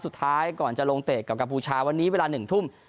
สุดท้ายก่อนจะลงเตะกับกัมพูชาวันนี้เวลา๑ทุ่ม